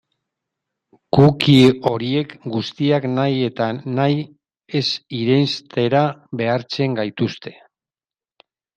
Cookie horiek guztiak nahi eta nahi ez irenstera behartzen gaituzte.